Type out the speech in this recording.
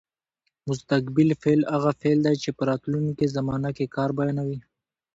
مستقبل فعل هغه فعل دی چې په راتلونکې زمانه کې کار بیانوي.